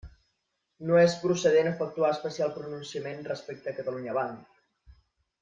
No és procedent efectuar especial pronunciament respecte a Catalunya Banc.